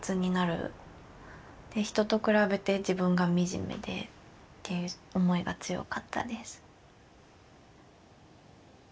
人と比べて自分がみじめでっていう思いが強かったです。